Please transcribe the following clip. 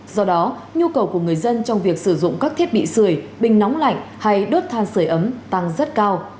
do đó nhu cầu của người dân trong việc sử dụng các thiết bị sửa bình nóng lạnh hay đốt than sửa ấm tăng rất cao